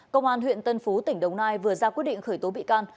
công an huyện tân phú tỉnh đồng nai vừa ra quyết định khởi tố bị can